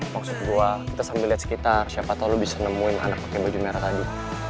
maksud gue kita sambil lihat sekitar siapa tau lo bisa nemuin anak pakai baju merah tadi